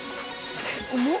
重っ。